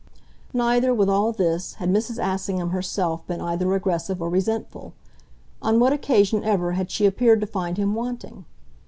Neither, with all this, had Mrs. Assingham herself been either aggressive or resentful. On what occasion, ever, had she appeared to find him wanting?